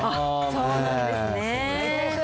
そうなんですね。